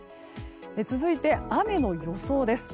続いて、雨の予想です。